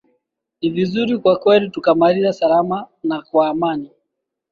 ni vizuri kwa kweli tukamaliza salama na kwa amani